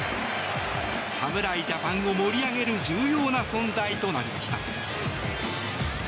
侍ジャパンを盛り上げる重要な存在となりました。